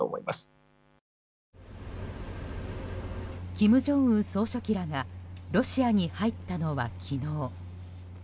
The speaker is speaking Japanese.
金正恩総書記らがロシアに入ったのは昨日。